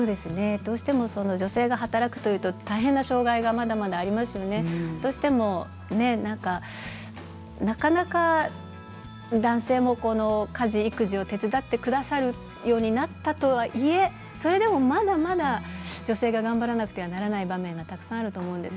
どうしても女性が働くというと大変な障害がまだまだありますしどうしてもなかなか男性も家事育児を手伝ってくださるようになったとはいえそれでも、まだまだ女性が頑張らなくてはならない場面がたくさんあると思います。